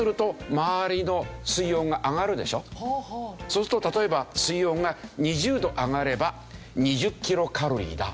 そうすると例えば水温が２０度上がれば２０キロカロリーだ。